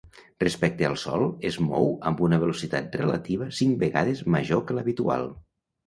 Respecte al Sol, es mou amb una velocitat relativa cinc vegades major que l'habitual.